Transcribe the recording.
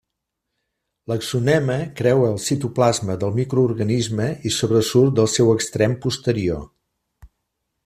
L'axonema creua el citoplasma del microorganisme i sobresurt del seu extrem posterior.